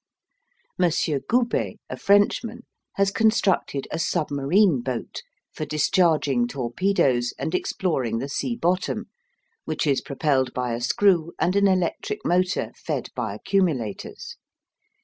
M. Goubet, a Frenchman, has constructed a submarine boat for discharging torpedoes and exploring the sea bottom, which is propelled by a screw and an electric motor fed by accumulators.